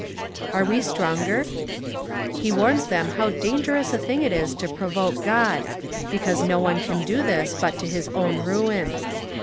Are we stronger ? He warns them how dangerous a thing it is to provoke God — because no one can do this but to his own ruin.